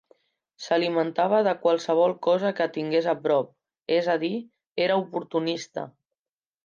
S'alimentava de qualsevol cosa que tingués a prop, és a dir, era oportunista.